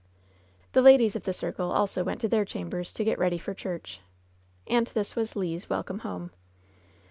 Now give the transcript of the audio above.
The ladies of the circle also went to their chambers to get ready for church. And this was Le's welcome home.